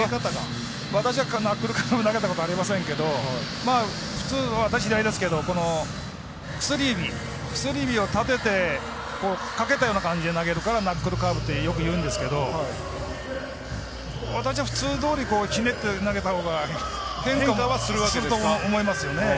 私はナックルカーブ投げたことありませんけど普通は私は左ですが薬指を立ててかけたような感じで投げるからナックルカーブってよくいうんですけど私は普通どおりひねって投げたほうが変化すると思いますよね。